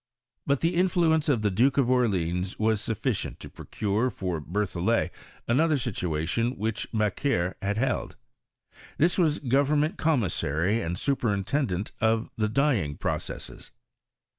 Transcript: But the influence of the Duke of Orleans was sufficient to procure for Berthollet another situation which Macquer had held. This was government commissary and superintendent of the dyeing pro cesses.